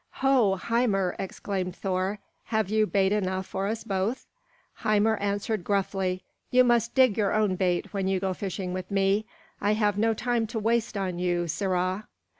"Ho, Hymir," exclaimed Thor, "have you bait enough for us both?" Hymir answered gruffly, "You must dig your own bait when you go fishing with me. I have no time to waste on you, sirrah."